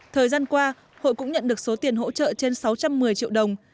thời gian qua hội cũng nhận được số tiền hỗ trợ trên sáu trăm một mươi triệu đồng